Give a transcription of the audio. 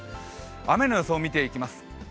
雨の予想を見ていきます。